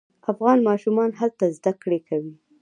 افغان ماشومان هلته زده کړې کوي.